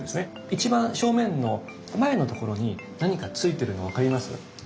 一番正面の前のところに何かついてるの分かります？